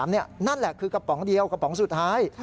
นั่นแหละคือกระป๋องเดียวกระป๋องสุดท้าย